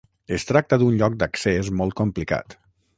Es tracta d’un lloc d’accés molt complicat.